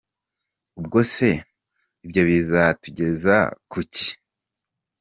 Ubwo se ibyo bizatugeza ku ki?".